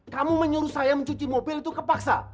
kamu menyuruh saya mencuci mobil itu kepaksa